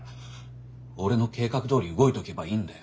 俺の計画どおり動いとけばいいんだよ。